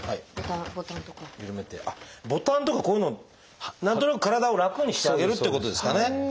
ボタンとかこういうのを何となく体を楽にしてあげるっていうことですかね。